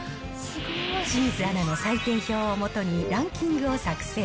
清水アナの採点表をもとにランキングを作成。